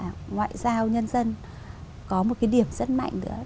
thế và thêm nữa là ngoại giao nhân dân có một cái điểm rất mạnh nữa